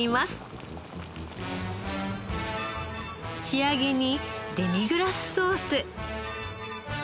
仕上げにデミグラスソース。